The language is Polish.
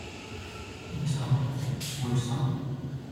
I co, łyso?